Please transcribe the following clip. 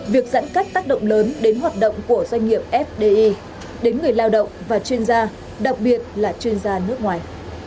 việc giãn cách tác động lớn đến hoạt động của doanh nghiệp fdi đến người lao động và chuyên gia đặc biệt là chuyên gia nước ngoài